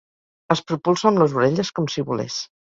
Es propulsa amb les orelles com si volés.